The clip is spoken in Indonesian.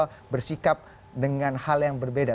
atau bersikap dengan hal yang berbeda